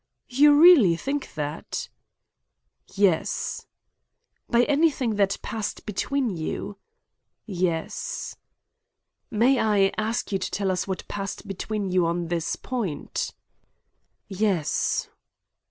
"You really think that?" "Yes." "By anything that passed between you?" "Yes." "May I ask you to tell us what passed between you on this point?" "Yes."